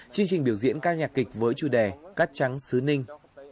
chương trình biểu diễn cao nhạc kịch với chủ đề cát trắng sứ ninh